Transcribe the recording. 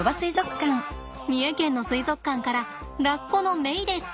三重県の水族館からラッコのメイです。